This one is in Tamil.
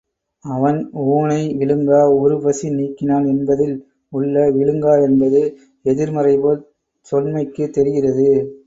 அவன் ஊணை விழுங்கா உறுபசி நீக்கினான் என்பதில் உள்ள விழுங்கா என்பது எதிர் மறைபோல் சொன்மைக்குத் தெரிகிறது.